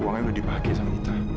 uangnya udah dipake sama mita